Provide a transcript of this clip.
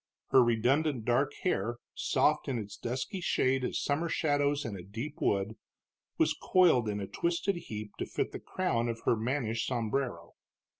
Her redundant dark hair, soft in its dusky shade as summer shadows in a deep wood, was coiled in a twisted heap to fit the crown of her mannish sombrero.